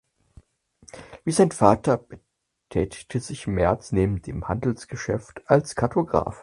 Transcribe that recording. Wie sein Vater betätigte sich Merz neben dem Handelsgeschäft als Kartograf.